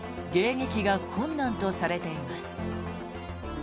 迎撃が困難とされています。